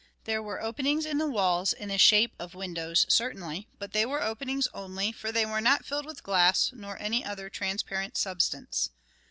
There were openings in the walls in the shape of windows, certainly, but they were openings only, for they were not filled with glass, nor any other transparent substance.